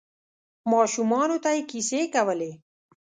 ماشومانو ته یې کیسې کولې.